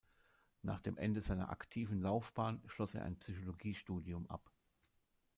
Nach dem Ende seiner aktiven Laufbahn schloss er ein Psychologiestudium ab.